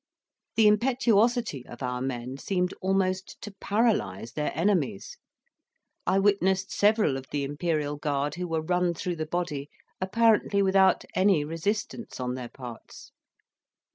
The impetuosity of our men seemed almost to paralyze their enemies: I witnessed several of the Imperial Guard who were run through the body apparently without any resistance on their parts.